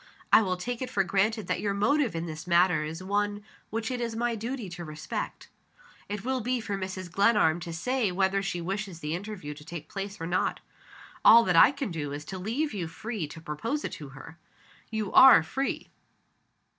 I will take it for granted that your motive in this matter is one which it is my duty to respect. It will be for Mrs. Glenarm to say whether she wishes the interview to take place or not. All that I can do is to leave you free to propose it to her. You are free."